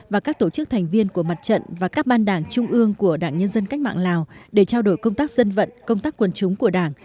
và các tổ chức thành viên của mặt trận và các ban đảng trung ương của đảng nhân dân cách mạng lào để trao đổi công tác dân vận công tác quần chúng của đảng